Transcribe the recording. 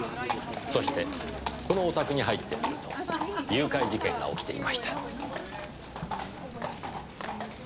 そしてこのお宅に入ってみると誘拐事件が起きていました。